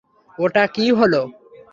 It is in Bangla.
ওটা কী হল?